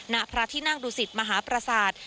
ณพระธิน่างดุสิตมหาปราศาสตร์